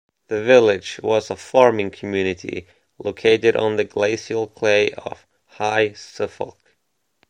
The village was a farming community located on the glacial clay of 'High' Suffolk.